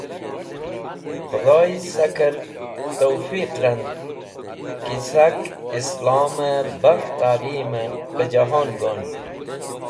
Khedhoy sakẽr tofeq rand ki sak islomẽ baf talimẽ pẽ jẽhon gon